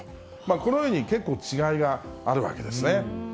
このように結構違いがあるわけですね。